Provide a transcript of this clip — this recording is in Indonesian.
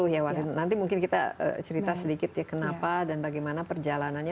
dua ribu sepuluh ya nanti mungkin kita cerita sedikit kenapa dan bagaimana perjalanannya